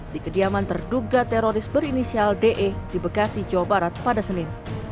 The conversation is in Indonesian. di kediaman terduga teroris berinisial de di bekasi jawa barat pada senin